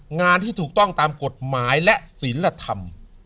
งานที่ถูกต้องตามกฎหมายและศิลธรรม